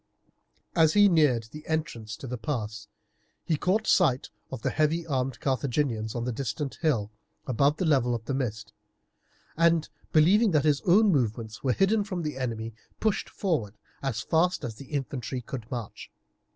As he neared the entrance to the pass he caught sight of the heavy armed Carthaginians on the distant hill above the level of the mist, and believing that his own movements were hidden from the enemy, pushed forward as fast as the infantry could march.